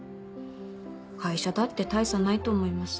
会社だって大差ないと思います。